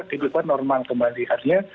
kehidupan normal kembali hanya